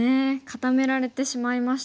固められてしまいましたね。